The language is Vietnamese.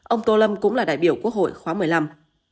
ông tô lâm cũng là đại biểu quốc hội khóa một mươi năm